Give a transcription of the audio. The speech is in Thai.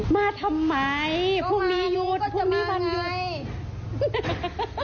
มาทำไมพรุ่งนี้หยุดพรุ่งนี้วันหยุด